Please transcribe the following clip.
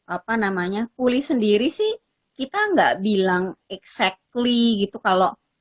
apa namanya pulih sendiri sih kita nggak bilang exactly gitu kalau